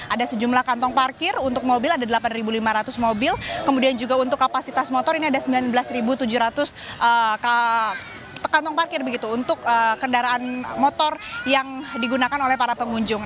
ada sejumlah kantong parkir untuk mobil ada delapan lima ratus mobil kemudian juga untuk kapasitas motor ini ada sembilan belas tujuh ratus kantong parkir begitu untuk kendaraan motor yang digunakan oleh para pengunjung